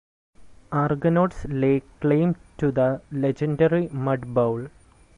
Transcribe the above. Argonauts lay claim to the legendary Mud Bowl.